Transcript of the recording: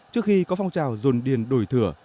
trước khi có phong trào dồn điền đổi thửa